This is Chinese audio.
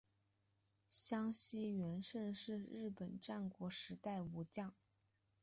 香西元盛是日本战国时代武将。